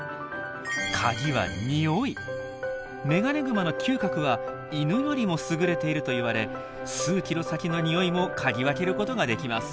カギはメガネグマの嗅覚は犬よりも優れているといわれ数キロ先のニオイも嗅ぎ分けることができます。